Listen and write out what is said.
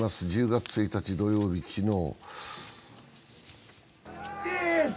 １０月１日土曜日、昨日。